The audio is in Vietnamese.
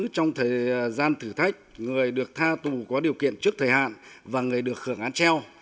trong thời gian thử thách người được tha tù có điều kiện trước thời hạn và người được hưởng án treo